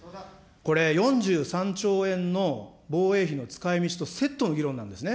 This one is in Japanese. これ、４３兆円の防衛費の使いみちとセットの議論なんですね。